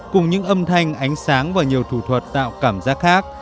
cùng những âm thanh ánh sáng và nhiều thủ thuật tạo cảm giác khác